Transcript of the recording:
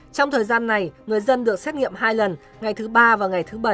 trong thời gian này người dân được xét nghiệm hai lần ngày thứ ba và ngày thứ bảy